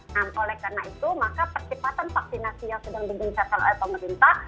nah oleh karena itu maka percepatan vaksinasi yang sedang digencarkan oleh pemerintah